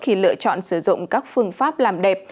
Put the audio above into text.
khi lựa chọn sử dụng các phương pháp làm đẹp